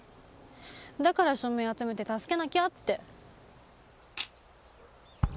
だから署名集めて助けなきゃって。